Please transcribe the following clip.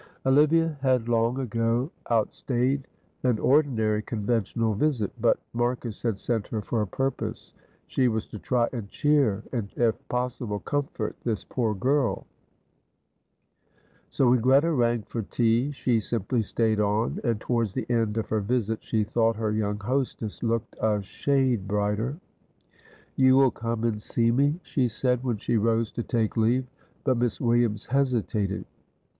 Olivia had long ago outstayed an ordinary conventional visit; but Marcus had sent her for a purpose: she was to try and cheer, and, if possible, comfort, this poor girl, so, when Greta rang for tea, she simply stayed on, and towards the end of her visit she thought her young hostess looked a shade brighter. "You will come and see me," she said when she rose to take leave; but Miss Williams hesitated.